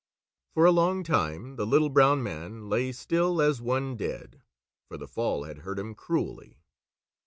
For a long time, the Little Brown Man lay still as one dead, for the fall had hurt him cruelly.